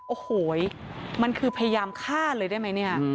โอ้โหมันคือพยายามฆ่าเลยได้ไหมเนี่ย